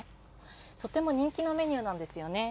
とても人気のメニューなんですよね。